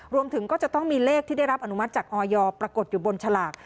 รวมถึงก็จะต้องมีเลขที่ได้รับอนุมัติจากออยปรากฏอยู่บนฉลาก